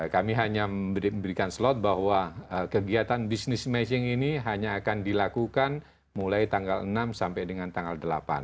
kami hanya memberikan slot bahwa kegiatan business matching ini hanya akan dilakukan mulai tanggal enam sampai dengan tanggal delapan